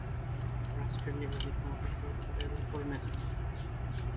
রাষ্ট্রের নির্বাহী ক্ষমতা সরকারের উপর ন্যস্ত।